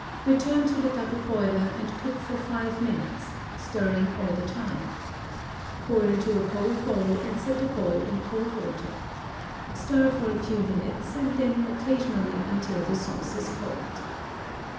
Return to the double boiler, and cook for five minutes, stirring all the time. Pour into a cold bowl and set the bowl in cold water. Stir for a few minutes, and then occasionally until the sauce is cold.